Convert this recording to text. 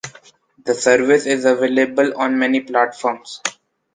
The service is available on many platforms.